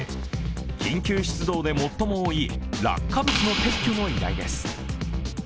緊急出動で最も多い落下物の撤去の依頼です。